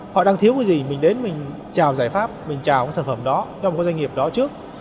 họ đang thiếu cái gì mình đến mình trào giải pháp mình trào sản phẩm đó cho một doanh nghiệp đó trước